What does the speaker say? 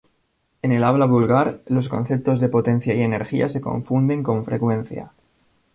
En el habla vulgar, los conceptos de potencia y energía se confunden con frecuencia.